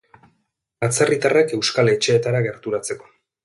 Atzerritarrak euskal etxeetara gerturatzeko.